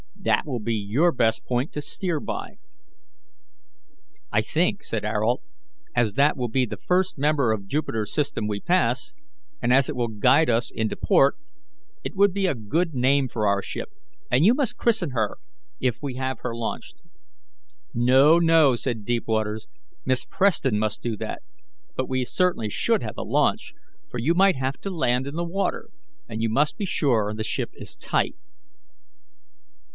That will be your best point to steer by." "I think," said Ayrault, "as that will be the first member of Jupiter's system we pass, and as it will guide us into port, it would be a good name for our ship, and you must christen her if we have her launched." "No, no," said Deepwaters, "Miss Preston must do that; but we certainly should have a launch, for you might have to land in the water, and you must be sure the ship is tight."